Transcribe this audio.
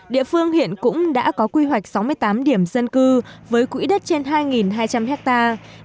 địa phương hiện cũng đã có quy hoạch sáu mươi tám điểm dân cư với quỹ đất trên hai hai trăm linh hectare